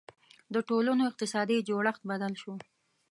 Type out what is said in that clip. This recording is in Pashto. • د ټولنو اقتصادي جوړښت بدل شو.